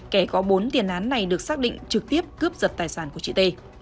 kẻ có bốn tiền án này được xác định trực tiếp cướp giật tài sản của chị t